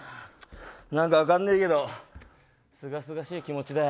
なんか分かんねえけどすがすがしい気持ちだよ。